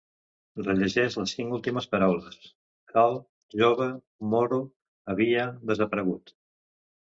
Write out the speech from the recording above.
Rellegeix les cinc últimes paraules: el, jove, moro, havia, desaparegut.